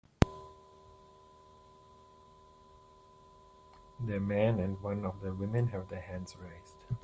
The man and one of the women have their hands raised